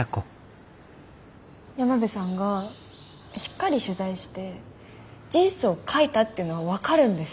山辺さんがしっかり取材して事実を書いたっていうのは分かるんです。